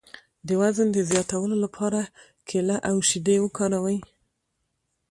د وزن د زیاتولو لپاره کیله او شیدې وکاروئ